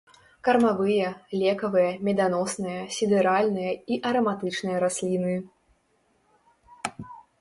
Кармавыя, лекавыя, меданосныя, сідэральныя і араматычныя расліны.